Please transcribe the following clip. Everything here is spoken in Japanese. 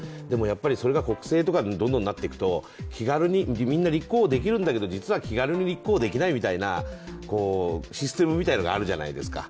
それが国政とかにどんどんなっていくと、みんな立候補できるんだけど、実は気軽には立候補できないシステムみたいなものがあるじゃないですか。